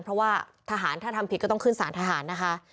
เพราะว่าทหารถ้าทำผิดก็ต้องขึ้นสารทหารนะคะ